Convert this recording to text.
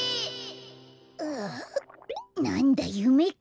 ああなんだゆめか。